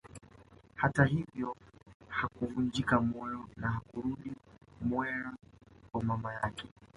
Hata hivyo hakuvunjika moyo na hakurudi Mwera kwa mama yake